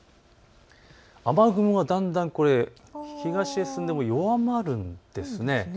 雨雲がだんだん東へ進んで弱まるんです。